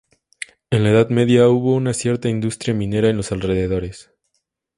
En la Edad Media hubo una cierta industria minera en los alrededores.